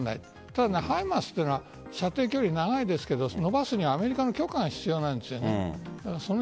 ただＨＩＭＡＲＳというのは射程距離、長いですから延ばすにはアメリカの許可が必要なんです。